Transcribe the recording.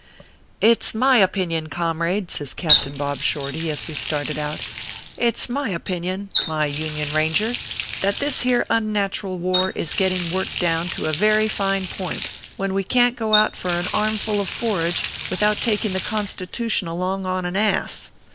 " It s my opinion, comrade," says Captain Bob Shorty, as we started out " it s my opinion, my Union ranger, that this here unnatural war is getting worked down to a very fine point, when we can t go out for an armful of forage without taking the Con ORPHEUS C. KERR PAPERS. 369 stitution along on an ass.